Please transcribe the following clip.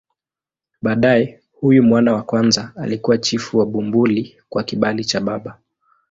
Baadaye huyu mwana wa kwanza alikuwa chifu wa Bumbuli kwa kibali cha baba.